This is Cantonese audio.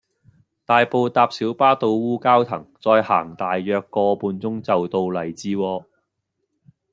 大埔搭小巴到烏蛟騰，再行大約個半鐘就到荔枝窩